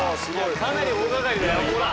かなり大がかりだよほら。